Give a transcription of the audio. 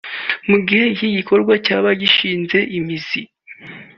Mu gihe iki gikorwa cyaba gishinze imizi